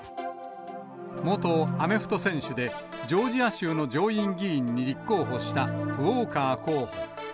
元アメフト選手で、ジョージア州の上院議員に立候補したウォーカー候補。